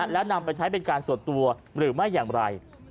แล้วนำไปใช้เป็นการส่วนตัวหรือไม่อย่างไร